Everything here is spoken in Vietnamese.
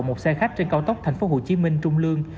một xe khách trên cao tốc tp hcm trung lương